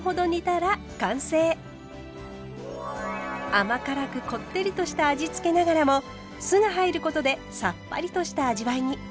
甘辛くこってりとした味付けながらも酢が入ることでさっぱりとした味わいに。